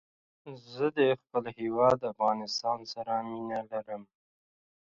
زه د خپل هېواد افغانستان سره مينه لرم